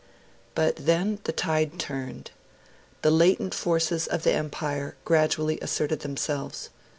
But then the tide turned. The latent forces of the Empire gradually asserted themselves.